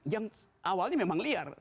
yang awalnya memang liar